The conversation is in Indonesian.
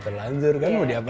terlanjur kan mau diapain lagi